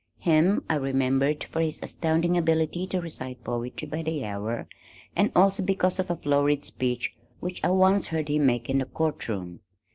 Him I remembered for his astounding ability to recite poetry by the hour and also because of a florid speech which I once heard him make in the court room.